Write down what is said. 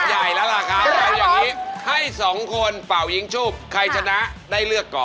ช่วงแจ็คพอตเป่ายิงฉุบมหาสนุก